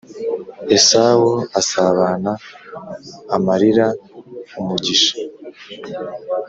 Esawu asabana amarira umugisha